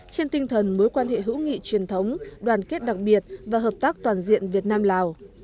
trên tinh thần mối quan hệ hữu nghị truyền thống đoàn kết đặc biệt và hợp tác toàn diện việt nam lào